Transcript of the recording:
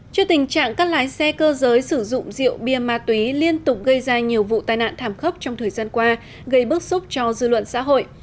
trước tình trạng các lái xe cơ giới sử dụng rượu bia ma túy liên tục gây ra nhiều vụ tai nạn thảm khốc trong thời gian qua gây bức xúc cho dư luận xã hội